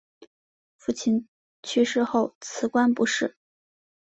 父亲去世后辞官不仕。